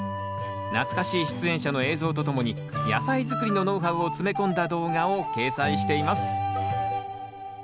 懐かしい出演者の映像とともに野菜づくりのノウハウを詰め込んだ動画を掲載しています。